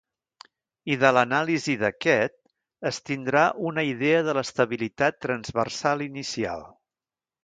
I de l'anàlisi d'aquest es tindrà una idea de l'estabilitat transversal inicial.